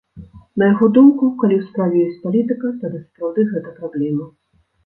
На яго думку, калі ў справе ёсць палітыка, тады сапраўды гэта праблема.